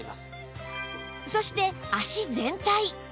そして脚全体